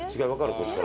こっちから。